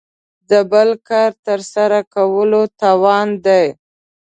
د بل کار تر سره کولو توان دی.